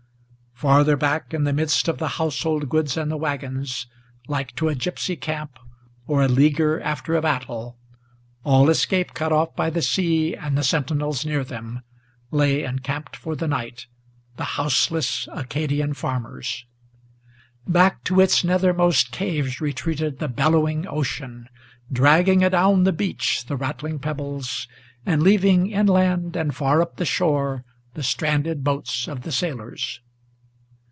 Farther back in the midst of the household goods and the wagons, Like to a gypsy camp, or a leaguer after a battle, All escape cut off by the sea, and the sentinels near them, Lay encamped for the night the houseless Acadian farmers. Back to its nethermost caves retreated the bellowing ocean, Dragging adown the beach the rattling pebbles, and leaving Inland and far up the shore the stranded boats of the sailors.